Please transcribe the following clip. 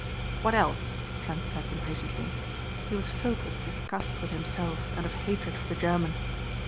"What else?" Trent said impatiently. He was filled with disgust with himself and of hatred for the German.